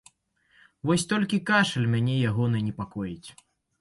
Вось толькі кашаль мяне ягоны непакоіць.